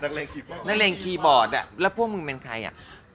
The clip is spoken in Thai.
นักเล่นคีย์บอร์ดนักเล่นคีย์บอร์ดอ่ะแล้วพวกมึงเป็นใครอ่ะ